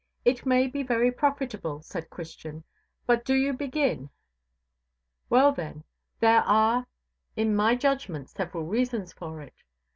It may be very profitable, said Christian, but do you begin. Well, then, there are in my judgment several reasons for it."